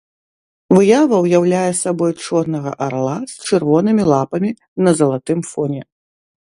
Выява ўяўляе сабой чорнага арла з чырвонымі лапамі на залатым фоне.